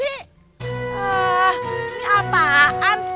ini apaan sih